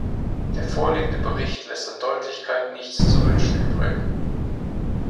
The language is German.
Der vorliegende Bericht lässt an Deutlichkeit nichts zu wünschen übrig.